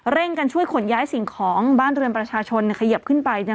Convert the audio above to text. เร่งกันช่วยขนย้ายสิ่งของบ้านเรือนประชาชนเขยิบขึ้นไป